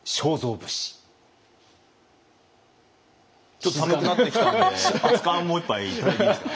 ちょっと寒くなってきたんで熱かんもう一杯頂いていいですか？